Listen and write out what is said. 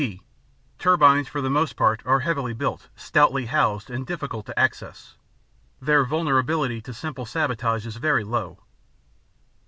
(g) Turbines for the most part are heavily built, stoutly housed, and difficult of access. Their vulnerability to simple sabotage is very low.